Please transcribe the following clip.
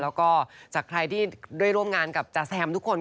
แล้วก็จากใครที่ได้ร่วมงานกับจาแซมทุกคน